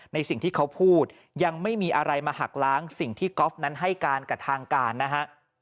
สิ่งที่เขาพูดยังไม่มีอะไรมาหักล้างสิ่งที่ก๊อฟนั้นให้การกับทางการนะฮะ